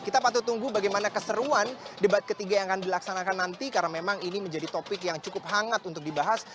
kita patut tunggu bagaimana keseruan debat ketiga yang akan dilaksanakan nanti karena memang ini menjadi topik yang cukup hangat untuk dibahas